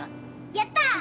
やったー！